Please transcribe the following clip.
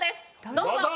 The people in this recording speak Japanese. どうぞ！